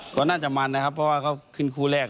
ก็น่าจะมันนะครับเพราะว่าเขาขึ้นคู่แรก